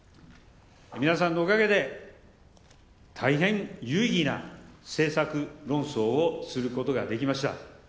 皆さんのおかげで、大変有意義な政策論争をすることができました。